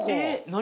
何？